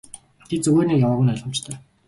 Тэд зүгээр нэг яваагүй нь ойлгомжтой.